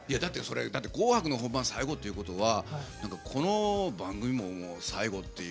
「紅白」の本番最後ということはこの番組も最後っていう。